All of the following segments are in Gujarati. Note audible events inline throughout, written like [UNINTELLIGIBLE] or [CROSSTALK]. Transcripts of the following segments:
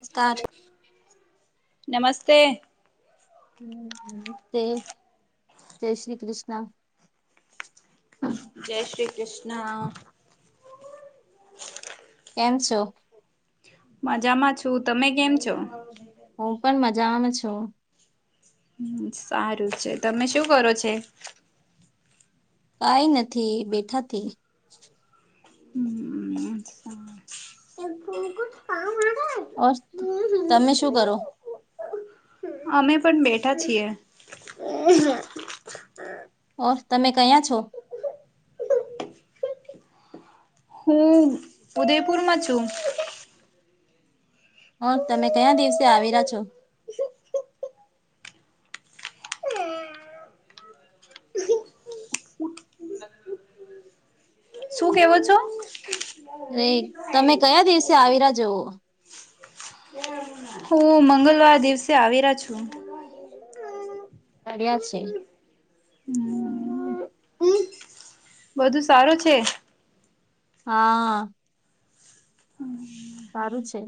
મસ્કાર. હલો. નમસ્તે. હમ્મ તે જય શ્રી કૃષ્ણ. જય શ્રી કૃષ્ણ. કેમ છો? મજામાં છું તમે કેમ છો? હું પણ મજામાં છું. હમ્મ, સારું છે તમે શું કરો છે? કંઈ નથી બેઠાથી. [INAUDIBLE] ઓર તમે શું કરો? અમે પણ બેઠા છીએ. તમે કયા છો? હું ઉદયપુરમાં છું. હા તમે કયા દિવસે આવી રહ્યા છો? શું કેવો છો? રે તમે કયા દિવસે આવીરા જવો? હું મંગળવાર દિવસે આવેરા છું. આવ્યા છે. હમ બધું સારું છે? હા. સારું છે.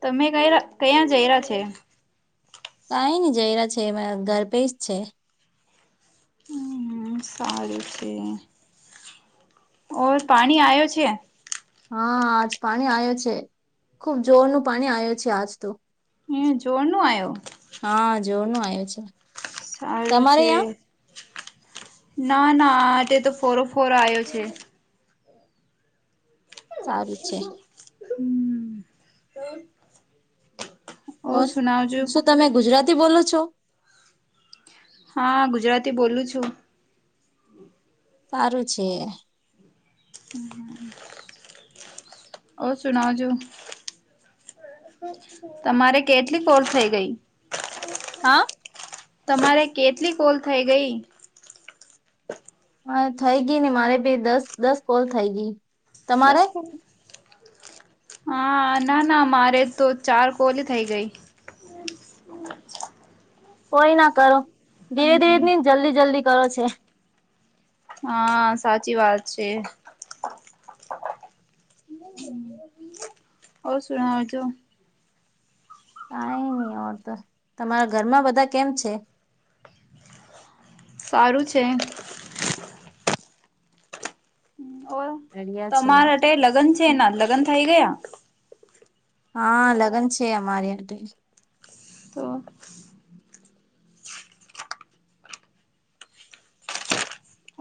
તમે ક કયાં જય રહ્યા છે? કઈ નહી જયરા છે એમાં ગર્ભેશ છે. હમ્મ, સારું છે. ઓ પાણી આવયો છે. હા આજ પાણી આયો છે ખુબ જોરનું પાણી આયું છે આજ તો. જોર નું આવ્યો હા જોનું આયું છે. સારું તમારે છે યાં? ના ના હા તે તો ફોરો ફોરો આયો છે. સારું છે. [INAUDIBLE] ઓ ઓર સુનાવજો શું તમે ગુજરાતી બોલો છો હા ગુજરાતી બોલું છું સારું છે. [INAUDIBLE] ઓ સુના જો તમારે કેટલી કોર થઇ ગઈ હા. તમારે કેટલી કોલ થઈ ગઈ. હા થઇ ગઈ ને મારે ભી દસ દસ કોલ થઇ ગઈ. દસ તમારે કોલ હા ના ના મારે તો ચાર કોલઈ થઇ ગઈ. [INAUDIBLE] કોઈ ના કરો ધીરે ધીરે ની જલ્દી જલ્દી કરો છે. હા સાચી વાત છે. ઓ સુનાઓ છો. કાઈ ની ઓર તો તમારા ઘરમાં બધા કેમ છે સારું છે. ઓ રડિયા છે તમારે ટે લગન છે એના લગન થઇ ગયા હા લગન છે અમારી આટે તો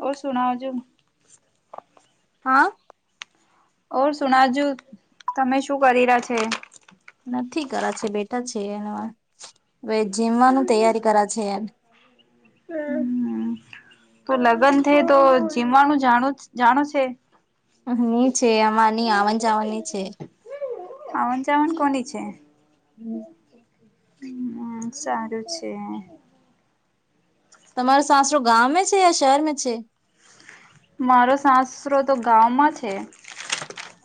ઓ સુનાજો હા ઓર સુનાજુ તમે શું કરી રહ્યા છે. નથી કરા છે બેઠા છે એને જીમવાનું તૈયારી કરા છે. [INAUDIBLE] તો લગન થઈ તો જીમવાનું જાણ જાણું છે. ની છે આમાં ની આવન જાવનની છે. આવન જાવન કોની છે [INAUDIBLE] હમ સારું છે. તમારો સાસરો ગામે છે યા શહેર મે છે. મારો સાસરો તો ગામંમાં છે.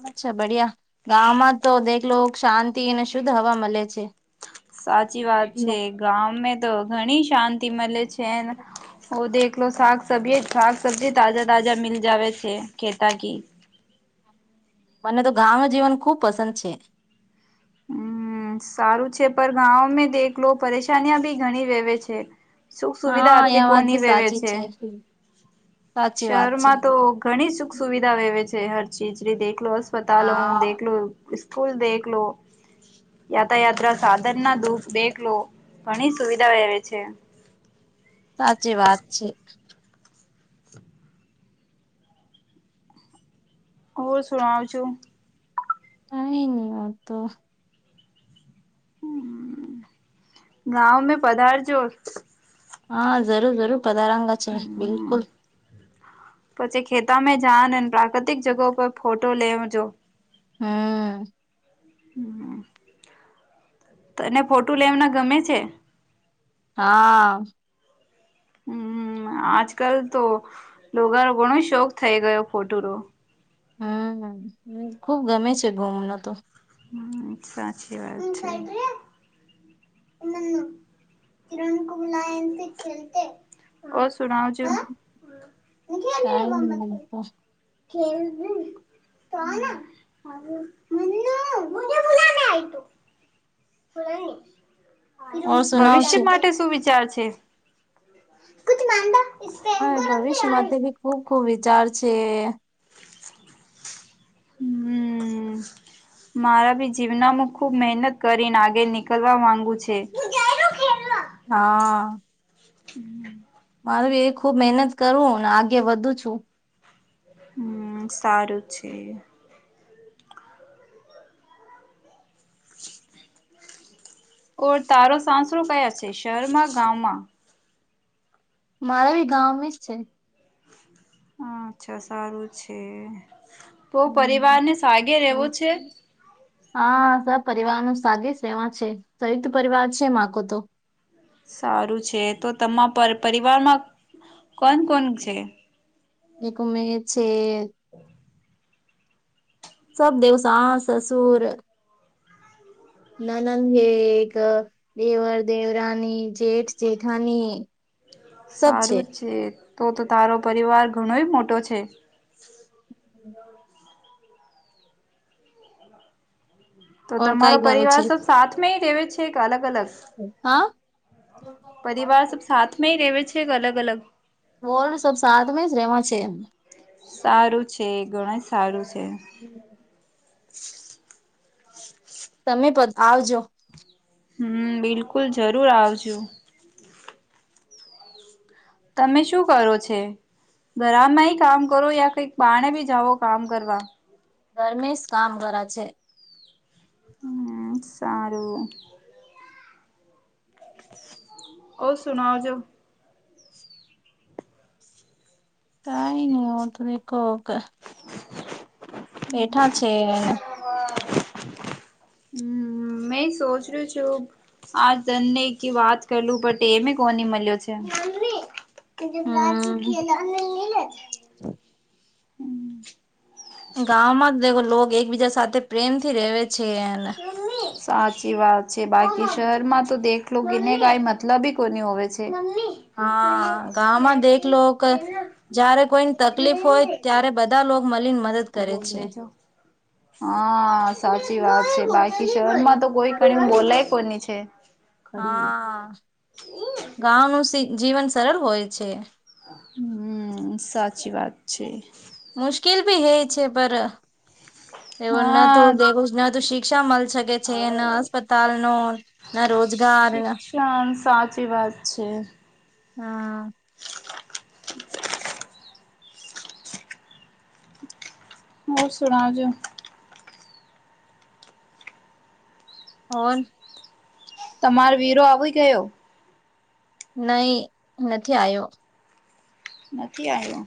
અચ્છા બઢિયા ગામમાં તો દેખલો શાંતિ અને શુદ્ધ હવા મલે છે. સાચી વાત છે ગાં મે તો ઘણી શાંતિ મલે છેને ઓ દેખલો શાક સબજી શાક સબ્જી તાજા તાજા મિ લ જાવ છે કેતાકી મને તો ગાવનું જીવન ખુબ પસંદ છે. ઉમ્મ. હમ્મ સારું છે પણ ગામાં દેલો પરેશની બી ઘણી રેવે છે. સુખ સુવિધા હા એ [UNINTELLIGIBLE] વાત કોની બી વેવે સાચી છે. સાચી વાત છે શહેરમાં તો ઘણી સુખ સુવિધા વેવે છે હર ચીજ દેખલો લો અસ્પતાલ હા દેખલો સ્કૂલ દેખ લો યાતાયાત્રા સાધન ના દુઃખ દેખલો ઘણી સુવિધા વવે છે. [INAUDIBLE] સાચી વાત છે. ઓર સુણવ જો. [UNINTELLIGIBLE] ગાવમે પધારજો. હા જરૂર જરૂર [UNINTELLIGIBLE] હમ બિલકુલ પછી ખેતામાં જાન પ્રાકૃતિક જગા પર ફોટો લેવજો હમ હમ. તને ફોટું લેવાના ગમે છે? હા હમ આજકાલ તો લોગાનો ઘણો શોખ થઈ ગયો ફોટો રો. [UNINTELLIGIBLE] હમ સાચી વાત છે. [UNINTELLIGIBLE] કઈ [INAUDIBLE] [INAUDIBLE] [INAUDIBLE] ઓર સુનાવ છે ભવિષ્ય માટે શું વિચાર છે? [INAUDIBLE] હા ભવિષ્ય માટે ભી ખૂબ ખૂબ વિચાર છે. હમ્મ મારા બી જીવનામાં ખુબ મહેનત કરીને આગે નીકળવા માંગુ છે. [INAUDIBLE] હા હમ [UNINTELLIGIBLE] હમ સારું છે. તારો સાસરો કયા છે શહેરમાં ગામમાં મારા બી [UNINTELLIGIBLE] હા અચ્છા સારું છે. તો પરિવારને સાગે રહેવો છે. હા સ પરિવાર નું સાગે સેવા છે સંયુક્ત પરિવાર છે માકો તો. સારું છે તો તમાં પરિવારમાં કોણ કોણ છે? [UNINTELLIGIBLE] સબ દેવ સાસ સસુર [UNINTELLIGIBLE] જેઠ જેઠાની સબ છે. તો તો તારો પરિવાર ઘણોય મોટો છે. તો ઓર કઈ તમારો કરો પરિવાર છે સબ સાથમે રેવે છે કે અલગ અલગ હા પરિવાર સબ સાથમાં રેવે છે કે અલગ અલગ? વોર્ડ સબ સાથ મે રેવા છે. સારું છે ઘણ સારું છે. હમ [INAUDIBLE] તમે આવજો હમ, બિલકુલ, જરૂર આવજો. તમે શું કરો છો ઘરમાંય કામ કરો યા કઈક બાર ભી જાઓ કામ કરવા. ધર્મેશ કામ કરા છે. હમ્મ સારું. ઓ સુનો જો કઈ ન [UNINTELLIGIBLE] કોક એને હમ. મેં સોચ્યું છું. આ તને કે વાત કરલું બટ એમે કોને મળ્યો છે. હમ [UNINTELLIGIBLE] ગામમાં જ લો એકબીજા સાથે પ્રેમ થી રેવે છે એને [UNINTELLIGIBLE] સાચી વાત છે. બાકી શહેર માં તો દેખલો કેને કઈ મતલબી કોની હોવે છે. હા ગામમા દેખ લોક જયારે કોઈને તકલીફ હોય ત્યારે બધા લોકો મળીને મદદ કરે બોલ છે. લેજો હા સાચી વાત છે. બાકી જન માં તો કોઈ કણી બોલે કોની છે. હા. ગાંવ નું જીવન સરળ હોય છે. હમ સાચી વાત છે. મુશ્કેલ ભી હે છે. પર એવુ ન તો હા દરરોજ ન તો શી શિક્ષા મલ શકે છે. ના અસ્પતાલ નો ના રોજગાર. શિક્ષણ સાચી વાત છે. હા. હોર સુણા જો [UNINTELLIGIBLE] [UNINTELLIGIBLE] તમાર વીરો આવી ગયો. નહી નથી આયો. નથી આવ્યો.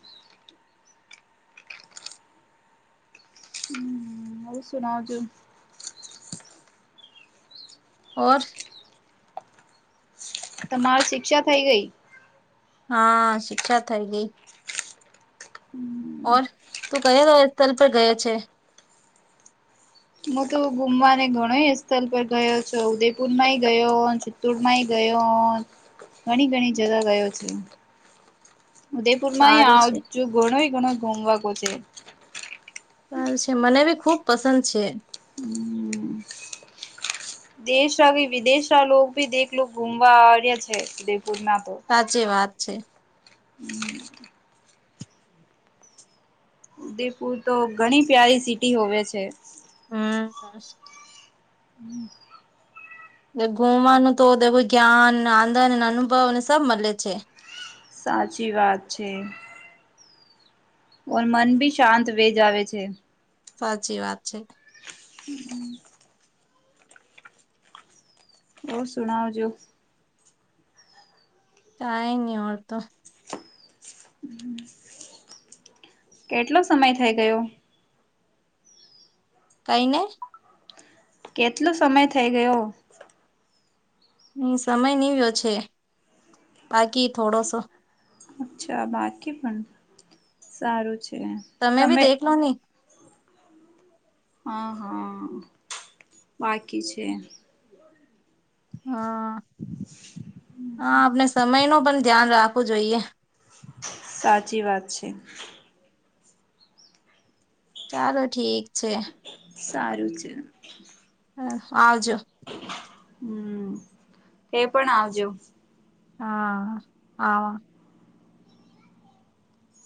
હમ હું સુનાજું [UNINTELLIGIBLE] ઓર તમારી શિક્ષા થઈ ગઈ. હા શિક્ષા થઈ ગઈ ઓર તું કયા [UNINTELLIGIBLE] ગયે છે. હું તો ઘુમવાને ઘણો સ્થળ પર ગયો છું ઉદયપુર માંય ગયો. ચિત્તોડ માંય ગયો. ઘણી ઘણી જગ્યાએ ગયો છું. ઉદયપુમાં સારું આજ છે ઘણ ઘ ઘુમવા કો છે. ચાર છે. મને બી ખુબ પસંદ છે. [UNINTELLIGIBLE] દેશવી વિદેશ લોકો ભી દેખલો લો ઘુમવા આવ્યા છે. ઉદયપુરમાં તો. સાચી વાત છે. [UNINTELLIGIBLE] ઉદયપુર તો ઘણી પ્યારી સીટી હોવે છે. [UNINTELLIGIBLE] [UNINTELLIGIBLE] ઘૂમવાનું તો દેવું જ્ઞાન આનંદ અનુભવ અને સબ મળે છે. સાચી વાત છે. ઓર મન ભી શાંત વે જવે છે. સાચી વાત છે. [UNINTELLIGIBLE] બહુ સુણવજો. કાય ન ઓર તો [UNINTELLIGIBLE] કેટલો સમય થઇ ગયો. કઈને. કેટલો સમય થઇ ગયો. હ સમય નીવ્યો છે બાકી થોડોસો અચ્છા બાકી પણ સારું છે તમે ભી દેખલો નહી હા હા બાકી છે હમ હા આપણે સમય ન પણ ધ્યાન રાખવું જોઈએ સાચી વાત છે ચાલો ઠીક છે સારું છે હ આવજો હમ એ પણ આવજો હા આ